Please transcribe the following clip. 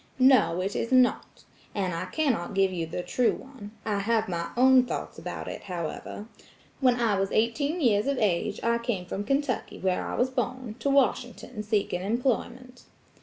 "No, it is not. And I cannot give you the true one. I have my own thoughts about it, however, When I was eighteen years of age, I came from Kentucky, where I was born, to Washington seeking employment.